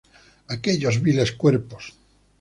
Aquellos viles cuerpos..."".